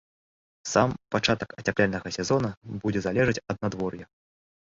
Сам пачатак ацяпляльнага сезона будзе залежаць ад надвор'я.